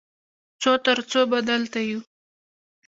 څو تر څو به دلته یو؟